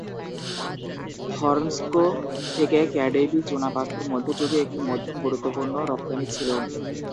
Thurnscoe থেকে ক্যাডেবি চুনাপাথর মধ্যযুগে একটি মধ্যম গুরুত্বপূর্ণ রপ্তানি ছিল।